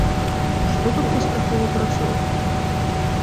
Што тут паспяхова працуе?